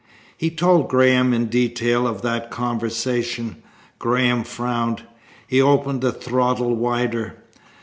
He told Graham in detail of that conversation. Graham frowned. He opened the throttle wider.